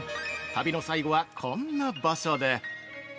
旅の最後は、こんな場所で◆